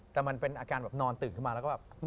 แต่มันเป็นอาการแบบนอนตื่นขึ้นมาแล้วก็แบบ